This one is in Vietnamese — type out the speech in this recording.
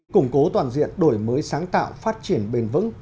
củng cố toàn diện đổi mới sáng tạo phát triển bền vững